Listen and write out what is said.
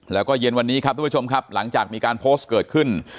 แล้วก็เย็นวันนี้ครับทุกผู้ชมครับหลังจากมีการโพสต์เกิดขึ้น